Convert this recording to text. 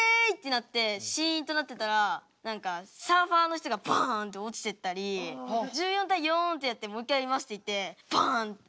なってシンとなってたら何かサーファーの人がバンって落ちてったりもう１４対４ってやってもう一回やりますって言ってバンって。